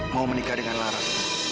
mau menikah dengan laras